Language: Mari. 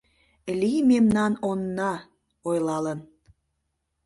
«Лий мемнан онна» ойлалын.